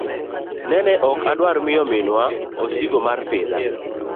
Nene ok adwar miyo minwa osigo mar pidha.